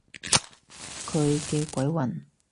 佢嘅鬼魂？